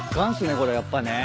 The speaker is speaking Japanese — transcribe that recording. これやっぱね。